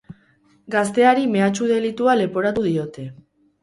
Gazteari mehatxu delitua leporatu diote.